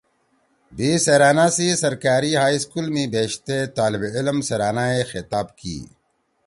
بھی سیرأنا سی سرکأری ہائی سکول می بیشتے طالب علم سیرأنا ئے خطاب کی